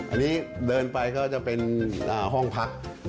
อันนี้เดินไปก็จะเป็นห้องพัก